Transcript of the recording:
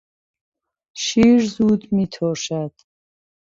شیر زود میترشد.